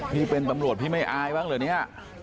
พี่เป็นตำรวจพี่ไม่อายบ้างเหรอเนี่ย